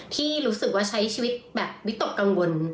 ที่รู้สึกว่าใช้ชีวิตแบบวิตกกังวล